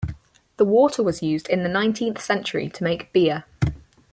The water was used in the nineteenth century to make beer.